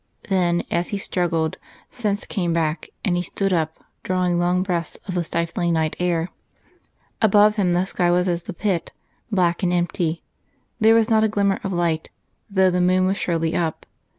Then, as he struggled, sense came back, and he stood up, drawing long breaths of the stifling night air. Above him the sky was as the pit, black and empty; there was not a glimmer of light, though the moon was surely up.